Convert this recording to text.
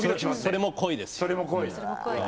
それも恋です。